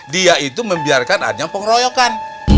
dia itu membiarkan adanya pengeroyokan